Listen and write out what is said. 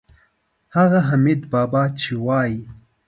هغه حمیدبابا چې وایي.